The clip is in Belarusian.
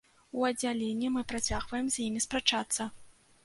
У аддзяленні мы працягваем з імі спрачацца.